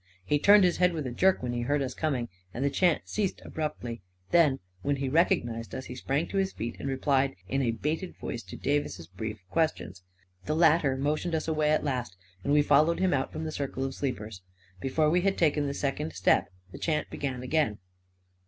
. He turned his head with a jerk when he heard us coming, and the chant ceased abruptly; then, when he recognized us, he sprang to his feet, and replied in a bated voice to Davis's brief questions. The latter motioned us away at last, and we followed him out from the circle of sleepers. Before we had taken the second step, the chant began again.